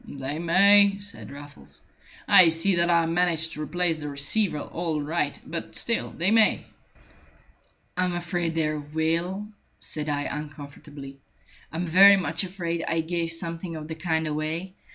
"They may," said Raffles. "I see that I managed to replace the receiver all right. But still they may." "I'm afraid they will," said I, uncomfortably. "I'm very much afraid I gave something of the kind away.